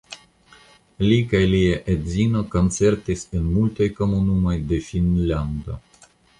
Li kaj lia edzino koncertis en multaj komunumoj de Finnlando.